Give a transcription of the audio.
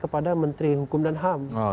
kepada menteri hukum dan ham